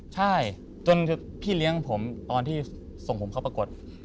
ใช่จนพี่เลี้ยงผมตอนที่ส่งผมเข้าปรากฏ